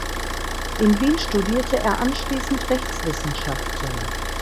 In Wien studierte er anschließend Rechtswissenschaften.